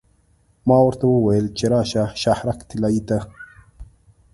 ما ورته وویل چې راشه شهرک طلایې ته.